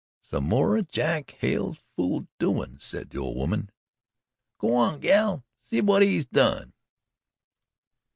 "Some more o' Jack Hale's fool doin's," said the old woman. "Go on, gal, and see whut he's done."